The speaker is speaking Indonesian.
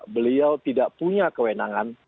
beliau tidak punya kewenangan